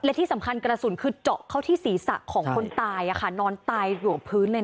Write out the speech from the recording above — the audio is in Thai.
และที่สำคัญกระสุนคือเจาะเข้าที่ศีรษะของคนตายอะค่ะนอนตายหลวงพื้นเลยนะ